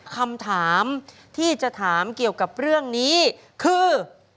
คำถามที่จะถามเกี่ยวกับเรื่องนี้คือ